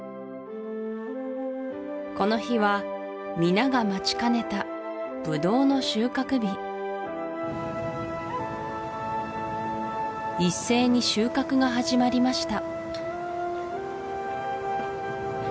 この日は皆が待ちかねたブドウの収穫日一斉に収穫が始まりました